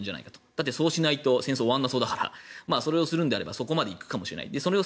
だって、そうしないと戦争が終わらなそうだからそれをしないのであればそこまで行くかもしれない。